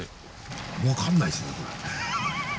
分かんないですねこれ。